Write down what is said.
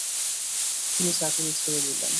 তিনি চাকুরি ছেড়ে দিলেন।